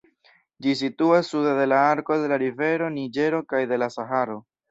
Ĝi situas sude de la arko de la rivero Niĝero kaj de la Saharo.